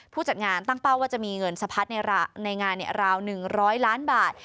จัดงานตั้งเป้าว่าจะมีเงินสะพัดในงานราว๑๐๐ล้านบาท